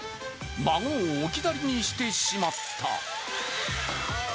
孫を置き去りにしてしまった。